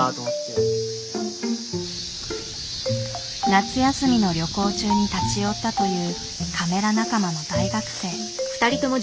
夏休みの旅行中に立ち寄ったというカメラ仲間の大学生。